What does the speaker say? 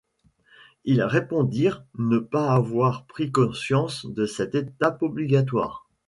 Ils répondirent ne pas avoir pris conscience de cette étape obligatoire.